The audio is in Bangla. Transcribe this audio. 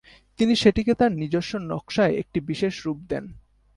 তিনি সেটিকে তার নিজস্ব নকশায় একটি বিশেষ রূপ দেন।